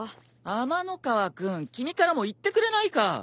天ノ河君君からも言ってくれないか！